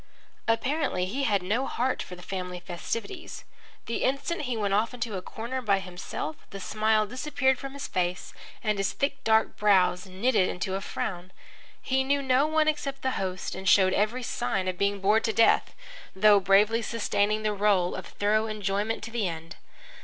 Apparently he had no heart for the family festivities. The instant he went off into a corner by himself the smile disappeared from his face, and his thick dark brows knitted into a frown. He knew no one except the host and showed every sign of being bored to death, though bravely sustaining the role of thorough enjoyment to the end.